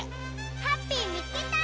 ハッピーみつけた！